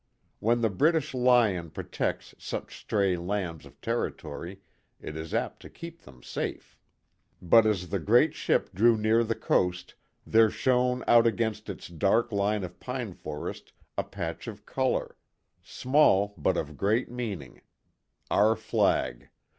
When the British Lion protects such stray lambs of territory it is apt to keep them safe. But as the great ship drew near the coast there shone out against its dark line of pine forest a patch of color small but of great 23 24 KIT CARSON. meaning our flag.